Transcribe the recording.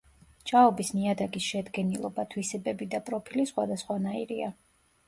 ჭაობის ნიადაგის შედგენილობა, თვისებები და პროფილი სხვადასხვანაირია.